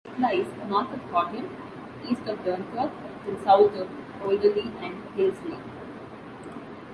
It lies north of Horton, east of Dunkirk and south of Alderley and Hillesley.